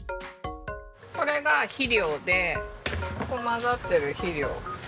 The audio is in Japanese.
これが肥料でここ混ざってる肥料。